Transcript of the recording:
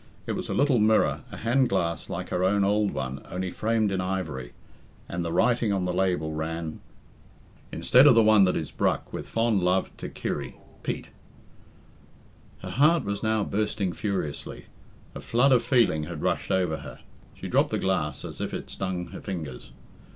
It was a little mirror, a handglass like her own old one, only framed in ivory, and the writing on the label ran Insted of The one that is bruk with fond Luv to Kirry. peat. Her heart was now beating furiously. A flood of feeling had rushed over her. She dropped the glass as if it stung her fingers.